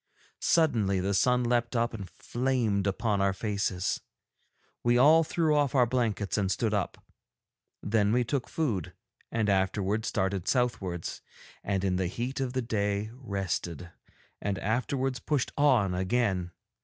Suddenly the sun leapt up and flamed upon our faces; we all threw off our blankets and stood up. Then we took food, and afterwards started southwards, and in the heat of the day rested, and afterwards pushed on again.